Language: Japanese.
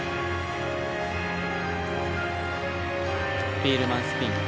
ビールマンスピン。